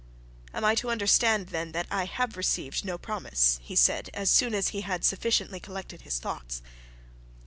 'Am I to understand, then, that I have received no promise?' he said, as soon as he had sufficiently collected his thoughts.